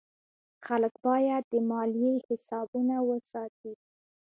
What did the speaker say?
خلک باید د مالیې حسابونه وساتي.